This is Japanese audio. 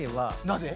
なぜ？